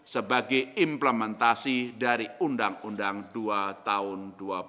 sebagai implementasi dari undang undang dua tahun dua ribu dua